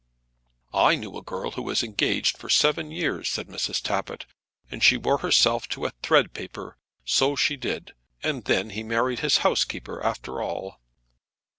"I knew a girl who was engaged for seven years," said Mrs. Tappitt, "and she wore herself to a thread paper, so she did. And then he married his housekeeper after all."